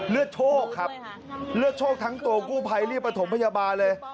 โชคครับเลือดโชคทั้งตัวกู้ภัยรีบประถมพยาบาลเลย